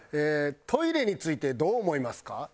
トイレについてどう思いますか？